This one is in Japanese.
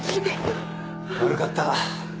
悪かった。